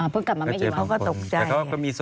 เพิ่งกลับมาไม่ได้ว่ะเขาก็ตกใจ